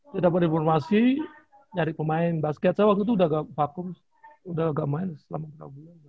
jadi dapat informasi nyari pemain basket saya waktu itu udah gak bakum udah gak main selama tiga bulan